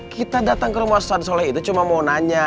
kita datang ke rumah ustadz soleh itu cuma mau nanya